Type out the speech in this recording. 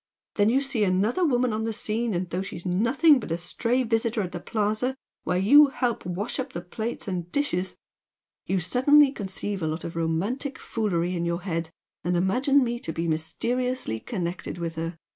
Then you see another woman on the scene, and though she's nothing but a stray visitor at the Plaza where you help wash up the plates and dishes, you suddenly conceive a lot of romantic foolery in your head and imagine me to be mysteriously connected with her!